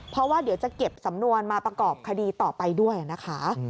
เพราะว่าเดี๋ยวจะเก็บสำนวนมาประกอบคดีต่อไปด้วยนะคะ